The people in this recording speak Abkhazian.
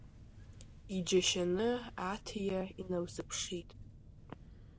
Иџьашьаны Аҭиа иналзыԥшит.